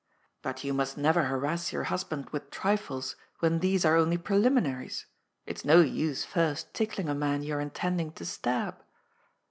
But you must never harass your husband with trifles when these are only pre liminaries. It's no use first tickling a man you are intend ing to stab.